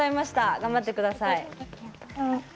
頑張ってください。